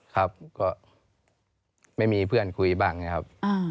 ครับก็ไม่มีเพื่อนคุยบ้างนะครับ